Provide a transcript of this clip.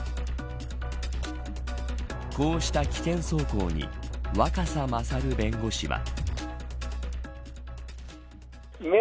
こうした危険走行に若狭勝弁護士は。